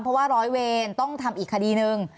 เพราะว่าร้อยเวรต้องทำอีกคดีหนึ่ง